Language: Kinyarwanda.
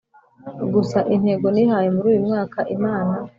Gusa intego nihaye muruyu mwaka imana